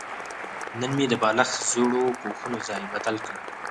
نن مې د بالښت زړو پوښونو ځای بدل کړ.